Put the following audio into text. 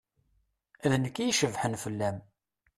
D nekk i icebḥen fell-am.